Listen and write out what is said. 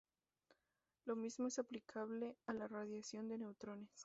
Lo mismo es aplicable a la radiación de neutrones.